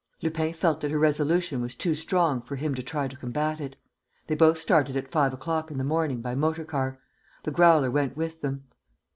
Lupin felt that her resolution was too strong for him to try to combat it. They both started at five o'clock in the morning, by motor car. The Growler went with them.